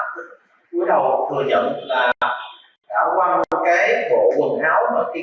cuối đầu thừa nhận là đã quăng vào cái bộ quần áo của tổ công tác